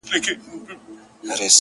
چا ويل ډېره سوخي كوي _